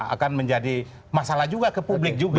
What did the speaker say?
akan menjadi masalah juga ke publik juga